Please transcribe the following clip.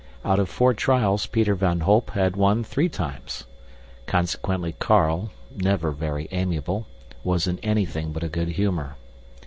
Out of four trials Peter van Holp had won three times. Consequently Carl, never very amiable, was in anything but a good humor.